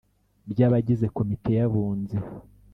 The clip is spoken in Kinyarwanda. by Abagize Komite y Abunzi